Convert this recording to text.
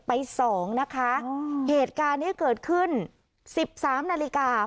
ไปสองนะคะเหตุการณ์นี้เกิดขึ้นสิบสามนาฬิกา